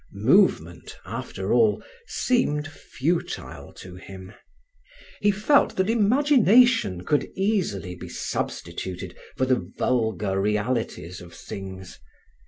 Movement, after all, seemed futile to him. He felt that imagination could easily be substituted for the vulgar realities of things.